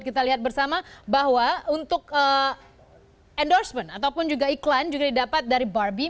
kita lihat bersama bahwa untuk endorsement ataupun juga iklan juga didapat dari barbie